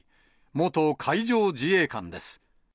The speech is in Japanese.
元海上自衛官です。